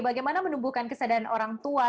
bagaimana menumbuhkan kesadaran orang tua